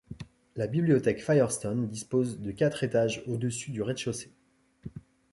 La bibliothèque Firestone dispose de quatre étages au-dessus du rez-de-chaussée.